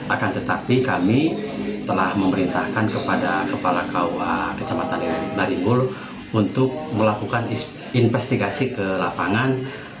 akan tetapi kami telah memerintahkan kepada kepala kua kecamatan naribul untuk melakukan investigasi ke lapangan